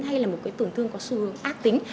hay là một tổn thương có sự ác tính